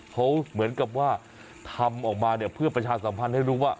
เขาเหมือนกับว่าทำออกมาเนี่ยเพื่อประชาสัมพันธ์ให้รู้ว่า